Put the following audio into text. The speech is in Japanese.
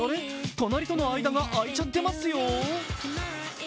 隣との間が空いちゃってますよ。